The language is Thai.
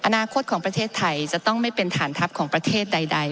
อนาคตของประเทศไทยจะต้องไม่เป็นฐานทัพของประเทศใด